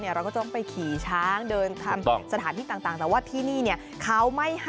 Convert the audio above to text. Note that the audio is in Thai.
อ้าวไม่ให้ขี่ช้างมันจะทำยังไง